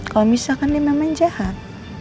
kalau misalkan dia memang jahat